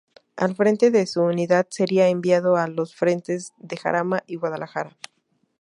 Al frente de su unidad sería enviado a los frentes de Jarama y Guadalajara.